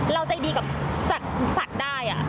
เราใจดีกับสัตว์ได้